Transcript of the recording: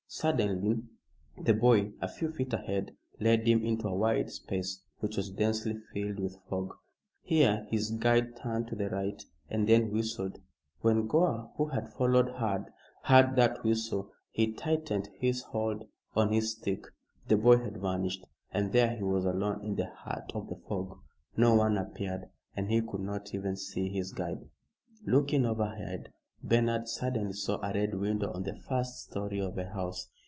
Suddenly the boy a few feet ahead led him into a wide space which was densely filled with fog. Here his guide turned to the right, and then whistled. When Gore, who had followed, heard that whistle he tightened his hold on his stick. The boy had vanished, and there he was alone in the heart of the fog. No one appeared, and he could not even see his guide. Looking overhead, Bernard suddenly saw a Red Window on the first story of a house.